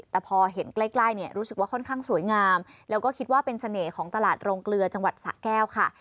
แต่พอเห็นใกล้เนี่ยรู้สึกว่าค่อนข้างสวยงามแล้วก็คิดว่าเป็นเสน่ห์ของตลาดโรงเกลือจังหวัดสะแก้วค่ะ